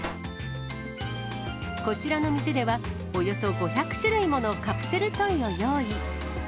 こちらの店では、およそ５００種類ものカプセルトイを用意。